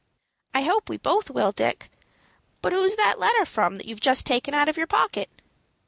"I hope we both will, Dick. But who's that letter from that you've just taken out of your pocket?"